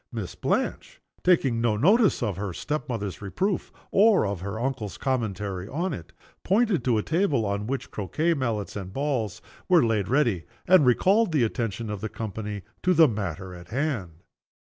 Miss Blanche taking no notice of her step mother's reproof, or of her uncle's commentary on it pointed to a table on which croquet mallets and balls were laid ready, and recalled the attention of the company to the matter in hand.